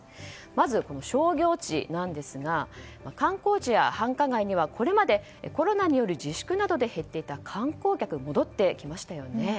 まず、商業地なんですが観光地や繁華街にはこれまでコロナによる自粛などで減っていた観光客が戻ってきましたね。